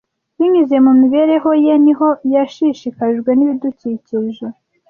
Binyuze mu mibereho ye niho yashishikajwe n’ibidukikije.